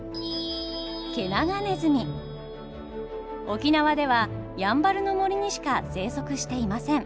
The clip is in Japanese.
沖縄ではやんばるの森にしか生息していません。